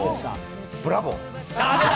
ブラボー！